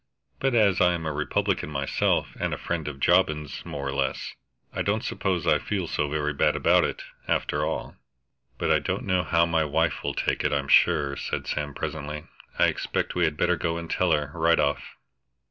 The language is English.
"But as I am a Republican myself and a friend of Jobbins, more or less, I don't suppose I feel so very bad about it, after all. But I don't know how my wife will take it, I'm sure," said Sam presently. "I expect we had better go and tell her, right off."